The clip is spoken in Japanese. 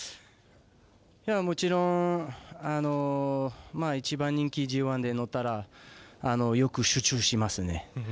もちろん一番人気ＧＩで乗ったらよく集中しますね。